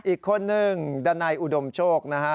อีกคนนึงดันัยอุดมโชคนะฮะ